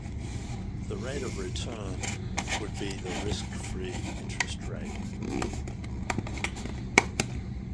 The rate of return would be the risk-free interest rate.